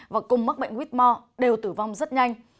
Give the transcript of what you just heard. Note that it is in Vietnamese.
và cùng mắc bệnh quýt mò đều tử vong rất nhanh